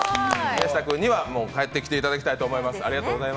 宮下君にはもう帰ってきてもらいたいと思います。